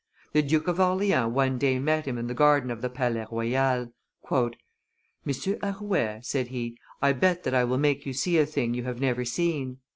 The Duke of Orleans one day met him in the garden of the Palais Royal. "Monsieur Arouet," said he, "I bet that I will make you see a thing you have never seen."